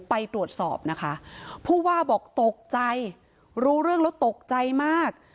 ไปตรวจสอบนะคะผู้ว่าบอกตกใจรู้เรื่องแล้วตกใจมาก